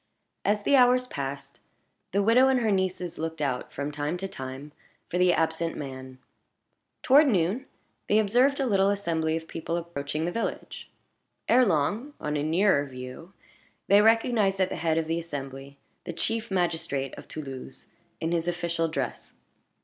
As the hours passed, the widow and her nieces looked out, from time to time, for the absent man. Toward noon they observed a little assembly of people approaching the village. Ere long, on a nearer view, they recognized at the head of the assembly the chief magistrate of Toulouse, in his official dress.